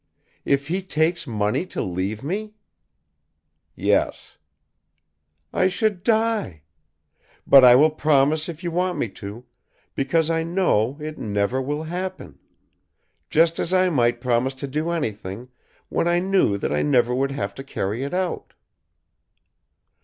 "If he takes money to leave me?" "Yes." "I should die. But I will promise if you want me to, because I know it never will happen. Just as I might promise to do anything, when I knew that I never would have to carry it out."